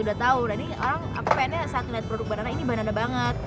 udah tau tadi orang aku pengennya saat liat produk banana ini banana banget